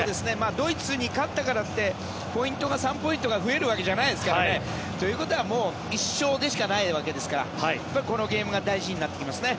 ドイツに勝ったからってポイントが３ポイントが増えるわけじゃないですからね。ということはもう１勝でしかないわけですからこのゲームが大事になってきますね。